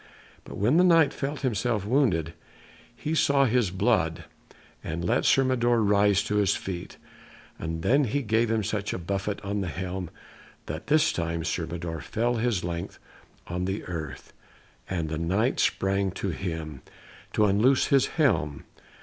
But when the Knight felt himself wounded, and saw his blood, he let Sir Mador rise to his feet, and then he gave him such a buffet on the helm that this time Sir Mador fell his length on the earth, and the Knight sprang to him, to unloose his helm.